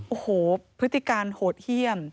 โอ้โหพฤติการโหดเยี่ยม